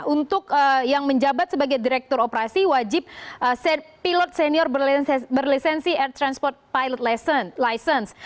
untuk yang menjabat sebagai direktur operasi wajib pilot senior berlisensi air transport pilot license